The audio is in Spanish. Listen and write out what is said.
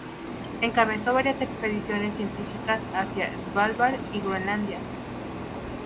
Encabezó varias expediciones científicas hacia Svalbard y Groenlandia.